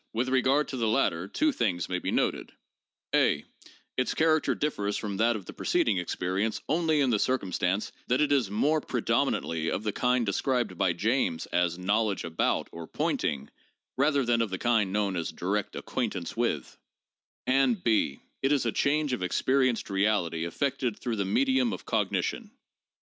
"With regard to the latter two things may be noted: (a) Its character differs from that of the preceding ex perience only in the circumstance that it is more predominantly of the kind described by James as 'knowledge about' or 'pointing,' rather than of the kind known as direct 'acquaintance with'; and (b) It is 'a change of experienced reality effected through the medium of cognition' (p.